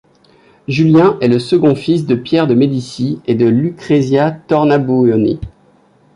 Julien est le second fils de Pierre de Médicis et de Lucrezia Tornabuoni.